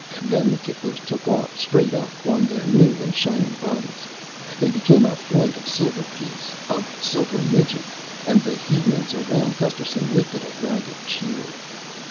Then the ticklers took off straight up on their new and shining bodies. They became a flight of silver geese ... of silver midges ... and the humans around Gusterson lifted a ragged cheer....